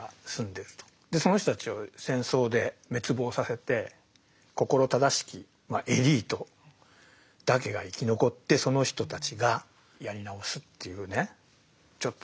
その人たちを戦争で滅亡させて心正しきエリートだけが生き残ってその人たちがやり直すというねちょっとねイラッとします。